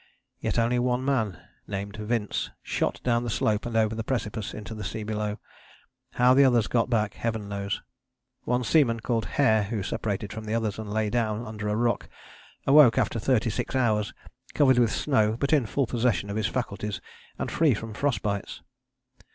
Yet only one man, named Vince, shot down the slope and over the precipice into the sea below. How the others got back heaven knows. One seaman called Hare, who separated from the others and lay down under a rock, awoke after thirty six hours, covered with snow but in full possession of his faculties and free from frost bites.